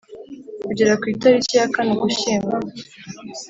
kugera ku italiki ya Kane Ugushyingo